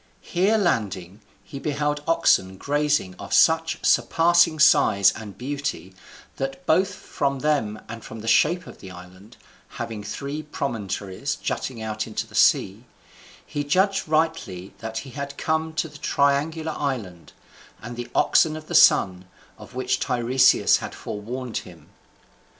Here landing, he beheld oxen grazing of such surpassing size and beauty that, both from them and from the shape of the Island (having three promontories jutting into the sea), he judged rightly that he was come to the Triangular island and the oxen of the Sun, of which Tiresias had forewarned him.